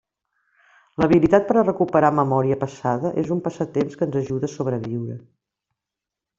L'habilitat per a recuperar memòria passada és un passatemps que ens ajuda a sobreviure.